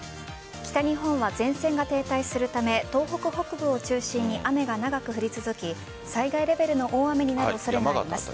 北日本は前線が停滞するため東北北部を中心に雨が長く降り続き災害レベルの大雨になる恐れがあります。